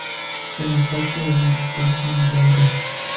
El impacto del disco es evidente.